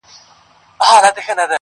o خپل عېب د اوږو منځ دئ٫